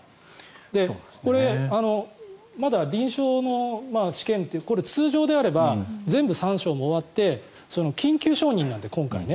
これ、まだ臨床の試験って通常であれば全部３相も終わって緊急承認なので、今回ね。